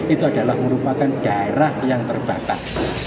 itu adalah merupakan daerah yang terbatas